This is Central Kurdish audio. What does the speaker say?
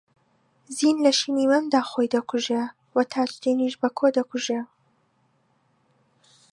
زین لە شینی مەمدا خۆی دەکوژێ و تاجدینیش بەکۆ دەکوژێ